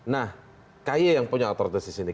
nah kay yang punya otoritas disini